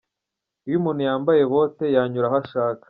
Iyo muntu yambaye bote yanyura aho ashaka.